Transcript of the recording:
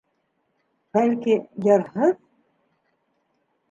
Бәлки, йырһыҙ?..